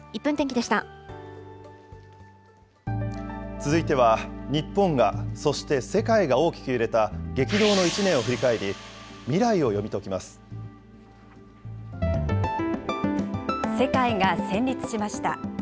続いては、日本が、そして世界が大きく揺れた激動の１年を振り返り、未来を読み解き世界が戦慄しました。